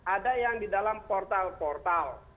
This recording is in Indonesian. ada yang di dalam portal portal